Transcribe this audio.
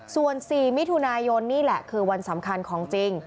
ส่วน๔มิถุนายนนี่แหละคือวันสำคัญของจริง